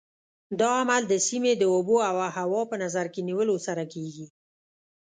دا عمل د سیمې د اوبو او هوا په نظر کې نیولو سره کېږي.